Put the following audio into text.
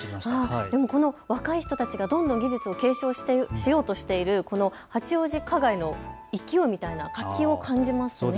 でも若い人たちがどんどん技術を継承しようとしているこの八王子花街の勢いみたいな活気を感じますね。